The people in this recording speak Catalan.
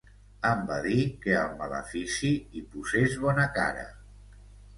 Em va dir que al malefici hi posés bona cara.